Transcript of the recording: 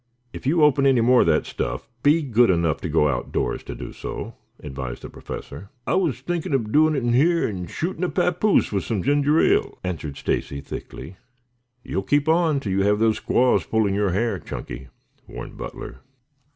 "If you open any more of that stuff be good enough to go outdoors to do so," advised the Professor. "I wuz thinking ob doig it in here and shooting a papoose with some ginger ale," answered Stacy thickly. "You will keep on till you have those squaws pulling your hair, Chunky," warned Butler.